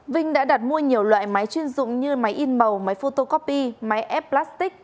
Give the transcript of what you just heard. vinh đã đặt mua nhiều loại máy chuyên dụng như máy in màu máy photocopy máy ép plastic